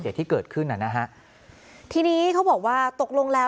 แม่อยากดูว่าไอ้คนเนี้ยมันน่าตายังไง